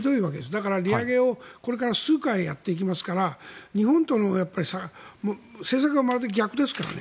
だから利上げをこれから数回やっていきますから日本との差政策がまるで逆ですから。